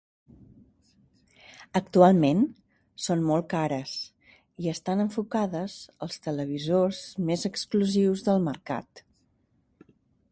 Actualment són molt cares i estan enfocades als televisors més exclusius del mercat.